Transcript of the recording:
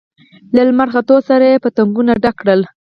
له لمر ختو سره يې پتکونه ډک کړل.